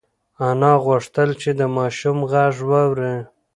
انا غوښتل چې د ماشوم غږ واوري.